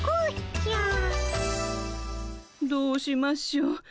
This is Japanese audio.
どうしましょう？